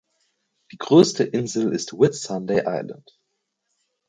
Die größte Insel ist Whitsunday Island.